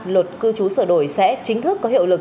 luật cư trú sửa đổi sẽ chính thức có hiệu lực